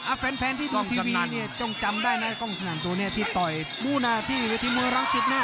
อ่าแฟนที่ดูทีวีเนี้ยจ้องจำได้นะก้องสนั่นตัวเนี้ยที่ต่อยมูนาที่ที่มูนรังสิทธิ์เนี้ย